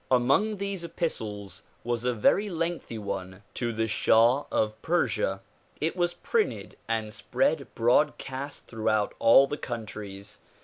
Among these epistles was a very lengthy one to the shah of Persia. It was printed and spread broadcast throughout all the countries.